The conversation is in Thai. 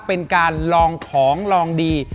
เป็นการลองของลองดี